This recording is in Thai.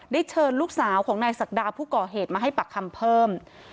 เชิญลูกสาวของนายศักดาผู้ก่อเหตุมาให้ปากคำเพิ่ม